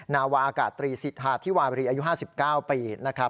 นาวาอากาศตรีสิทธาธิวารีอายุ๕๙ปีนะครับ